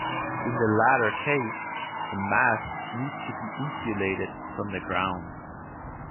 In the latter case, the mast needs to be insulated from the ground.